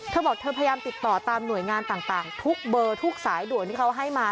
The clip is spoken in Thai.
เธอบอกเธอพยายามติดต่อตามหน่วยงานต่างทุกเบอร์ทุกสายด่วนที่เขาให้มา